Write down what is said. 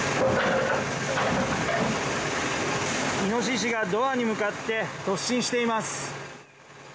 イノシシがドアに向かって突進しています。